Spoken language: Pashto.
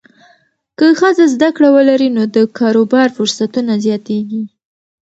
که ښځه زده کړه ولري، نو د کاروبار فرصتونه زیاتېږي.